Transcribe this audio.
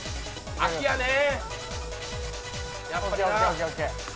秋やねぇ。